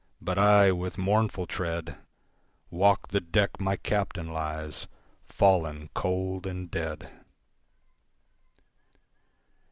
But I, with mournful tread, Walk the deck my Captain lies, Fallen cold and dead.